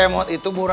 si kemot itu bura ura